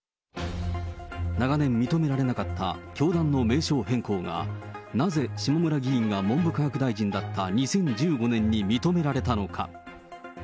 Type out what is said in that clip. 長年認められなかった教団の名称変更が、なぜ下村議員が文部科学大臣だった２０１５年に認められたのか。